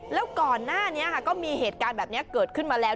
แล้วก่อนหน้านี้ก็มีเหตุการณ์แบบนี้เกิดขึ้นมาแล้ว